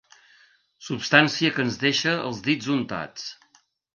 Substància que ens deixa els dits untats.